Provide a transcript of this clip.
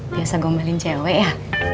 biasa gomelin cewe ya